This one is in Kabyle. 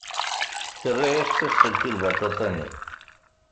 Terra-as tasselt i lbaṭaṭa-nni.